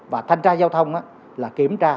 và thanh tra giao thông là kiểm tra